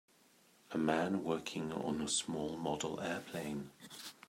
A man working on a small model airplane.